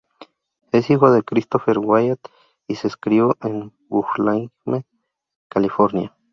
Es hijo de Christopher Wyatt, y se crio en Burlingame, California.